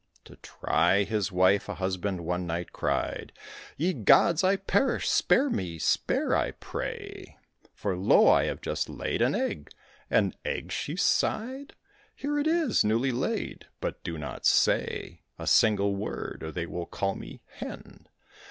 To try his wife, a husband one night cried, "Ye gods, I perish! spare me, spare, I pray: For, lo! I have just laid an egg." "An egg?" she sighed. "Here it is newly laid: but do not say A single word, or they will call me 'hen.'